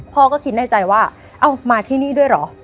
พ่อก็คิดในใจว่าเอ้ามาที่นี่ด้วยเหรอ